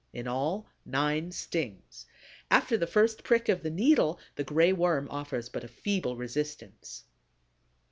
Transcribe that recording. In all, nine stings. After the first prick of the needle, the Gray Worm offers but a feeble resistance.